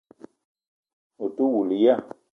Ou te woul ya?